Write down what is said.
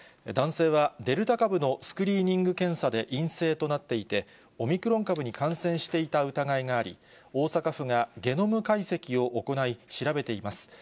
男性は、デルタ株のスクリーニング検査で陰性となっていて、オミクロン株に感染していた疑いがあり、大阪府がゲノム解析を行い、調べています。